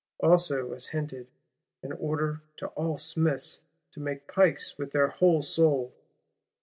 Also as hinted, an order to all Smiths to make pikes with their whole soul.